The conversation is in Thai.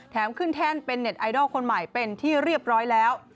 ขึ้นแท่นเป็นเน็ตไอดอลคนใหม่เป็นที่เรียบร้อยแล้ว